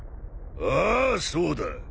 ああそうだ。